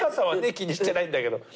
気にしてないんだけど。